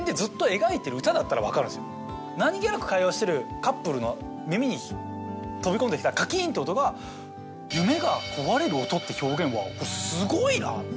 何げなく会話してるカップルの耳に飛び込んできたカキンって音が。って表現はすごいな。